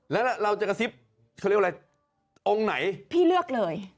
แล้วเราจะกระซิบเขาเรียกว่าอะไรองค์ไหนพี่เลือกเลย